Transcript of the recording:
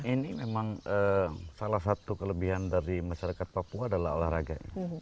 ini memang salah satu kelebihan dari masyarakat papua adalah olahraga